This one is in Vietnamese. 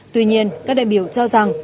tuy nhiên các đại biểu cho rằng